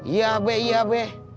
iya be iya be